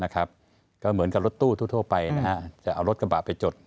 ก็เหมือนกับรถตู้ทั่วไปจะเอารถกระบะไปจด